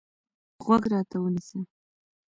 غوږ راته ونیسه.